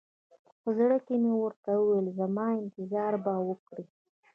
په زړه کښې مې ورته وويل زما انتظار به وکړې.